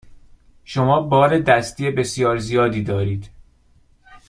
شما بار دستی بسیار زیادی دارید.